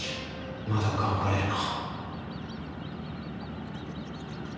まだ頑張れるな。